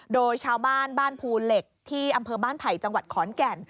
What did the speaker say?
โดยชาวบ้านบ้านภูเหล็กที่อำเภอบ้านไผ่จังหวัดขอนแก่น